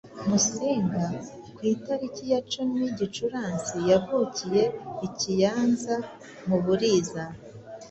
Musinga, ku itariki ya cumi Gicurasi Yavukiye i Kiyanza, mu Buliza,